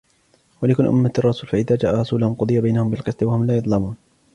ولكل أمة رسول فإذا جاء رسولهم قضي بينهم بالقسط وهم لا يظلمون